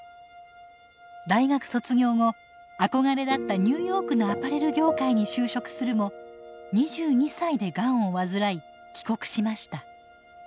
大学卒業後憧れだったニューヨークのアパレル業界に就職するも２２歳でガンを患い帰国しました。